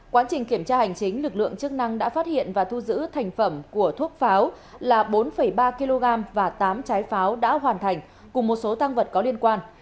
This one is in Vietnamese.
quá trình kiểm tra hành chính lực lượng chức năng đã phát hiện và thu giữ thành phẩm của thuốc pháo là bốn ba kg và tám trái pháo đã hoàn thành cùng một số tăng vật có liên quan